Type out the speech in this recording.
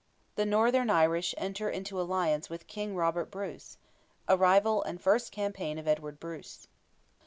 THE NORTHERN IRISH ENTER INTO ALLIANCE WITH KING ROBERT BRUCE—ARRIVAL AND FIRST CAMPAIGN OF EDWARD BRUCE.